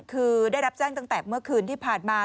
คือได้รับแจ้งตั้งแต่เมื่อคืนที่ผ่านมา